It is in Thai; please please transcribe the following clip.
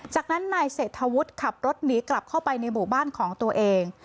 จากนั้นนายเศรษฐวุฒิขับรถหนีกลับเข้าไปในหมู่บ้านของตัวเอง